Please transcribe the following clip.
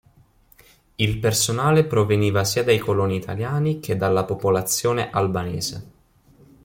Il personale proveniva sia dai coloni italiani che dalla popolazione albanese.